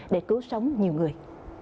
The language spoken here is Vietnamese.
để cứu sống nhiều người